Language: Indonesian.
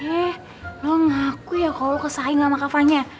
eh lo ngaku ya kalo lo kesahin sama kak fanya